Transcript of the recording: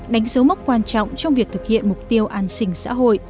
đánh dấu mốc quan trọng trong việc thực hiện mục tiêu an sinh xã hội